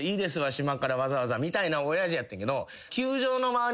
島からわざわざ」みたいな親父やったけど。